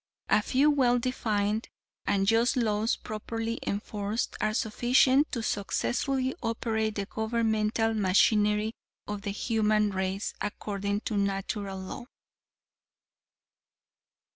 "A few well defined and just laws properly enforced are sufficient to successfully operate the governmental machinery of the human race according to Natural Law."